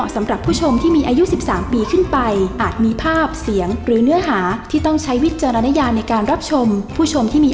สนับสนุนโดยนาคารกรุงเทพฯ